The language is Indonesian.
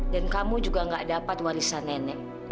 dan kamu juga gak dapat warisan nenek